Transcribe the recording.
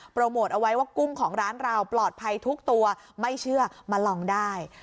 โมทเอาไว้ว่ากุ้งของร้านเราปลอดภัยทุกตัวไม่เชื่อมาลองได้